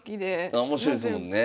あ面白いですもんね。